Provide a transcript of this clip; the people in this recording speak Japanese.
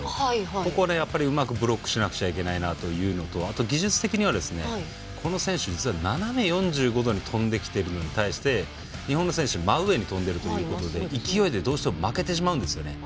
ここをうまくブロックしなきゃいけないなというのとあと、技術的にはこの選手、実は斜め４５度に跳んできているのに対して日本の選手真上に跳んでいるということで勢いで、どうしても負けてしまうんですよね。